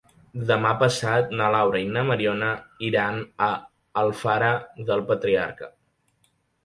Demà passat na Laura i na Mariona iran a Alfara del Patriarca.